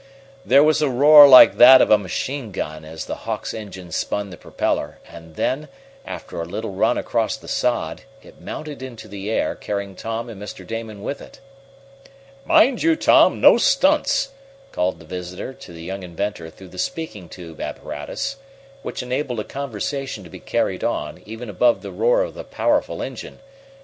There was a roar like that of a machine gun as the Hawk's engine spun the propeller, and then, after a little run across the sod, it mounted into the air, carrying Tom and Mr. Damon with it. "Mind you, Tom, no stunts!" called the visitor to the young inventor through the speaking tube apparatus, which enabled a conversation to be carried on, even above the roar of the powerful engine.